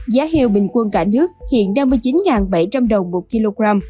giá heo bình quân cả nước hiện năm mươi chín bảy trăm linh đồng mỗi kg